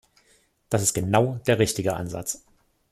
Das ist genau der richtige Ansatz.